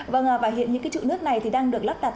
và hiện những trụ nước này đang được lắp đặt